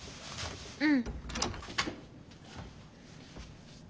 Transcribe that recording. うん。